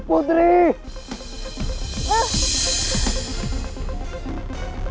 putri kamu berasal dari sana